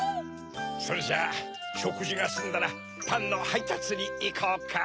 それじゃあしょくじがすんだらパンのはいたつにいこうか。